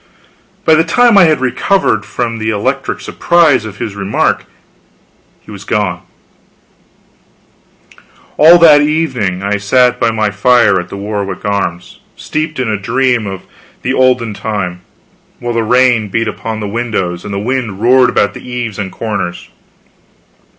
By the time I had recovered from the electric surprise of this remark, he was gone. All that evening I sat by my fire at the Warwick Arms, steeped in a dream of the olden time, while the rain beat upon the windows, and the wind roared about the eaves and corners.